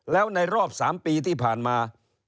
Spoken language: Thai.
แล้วในรอบ๓ปีที่ผ่านมา